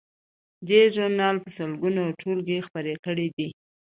دې ژورنال په سلګونو ټولګې خپرې کړې دي.